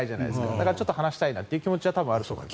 だからちょっと話したい気持ちはあると思います。